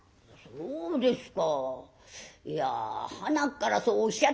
そうですか。